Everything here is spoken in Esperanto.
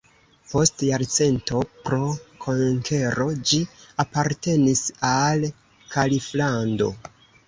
Post jarcento pro konkero ĝi apartenis al kaliflando.